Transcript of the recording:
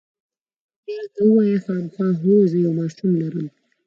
یا، راته ووایه، خامخا؟ هو، زه یو ماشوم لرم.